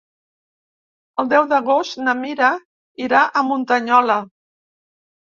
El deu d'agost na Mira irà a Muntanyola.